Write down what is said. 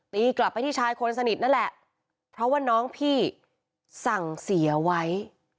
ตีกลับไปที่ชายคนสนิทนั่นแหละเพราะว่าน้องพี่สั่งเสียไว้